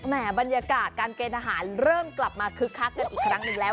บรรยากาศการเกณฑ์อาหารเริ่มกลับมาคึกคักกันอีกครั้งหนึ่งแล้ว